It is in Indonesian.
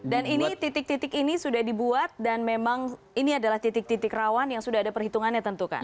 dan ini titik titik ini sudah dibuat dan memang ini adalah titik titik rawan yang sudah ada perhitungannya tentu kan